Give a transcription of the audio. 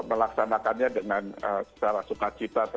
melaksanakannya dengan secara sukacita